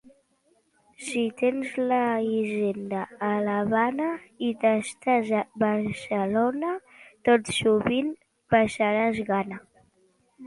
Si tens la hisenda a l'Havana i t'estàs a Barcelona, tot sovint passaràs gana.